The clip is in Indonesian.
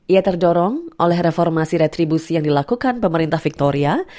ia terdorong oleh reformasi retribusi yang dilakukan pemerintah victoria